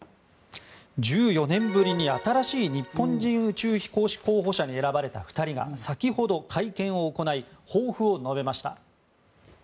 １４年ぶりに新しい日本人宇宙飛行士候補者に選ばれた２人が先ほど会見を行い抱負を述べました。